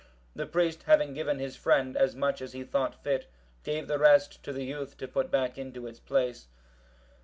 The priest, having given his friend as much as he thought fit, gave the rest to the youth to put back into its place.